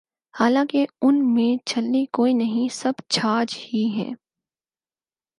حالانکہ ان میں چھلنی کوئی نہیں، سب چھاج ہی ہیں۔